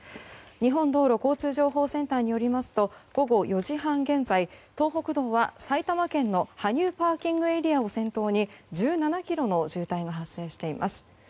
日本道路交通情報センターによりますと午後４時半現在東北道は埼玉県の羽生ＰＡを先頭に１７ｋｍの渋滞が発生しています。